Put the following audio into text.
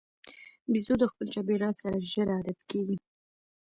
بیزو د خپل چاپېریال سره ژر عادت کېږي.